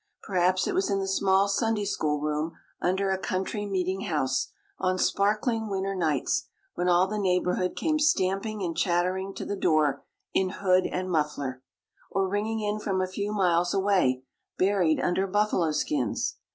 Perhaps it was in the small Sunday school room under a country meeting house, on sparkling winter nights, when all the neighborhood came stamping and chattering to the door in hood and muffler, or ringing in from a few miles away, buried under buffalo skins.